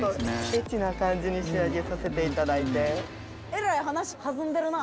エッチな感じに仕上げさせていただいて。